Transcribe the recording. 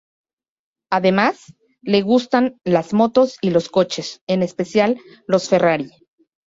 Además, le gustan las motos y los coches, en especial los Ferrari.